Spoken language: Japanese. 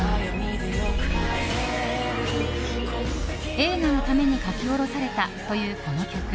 映画のために書き下ろされたという、この曲。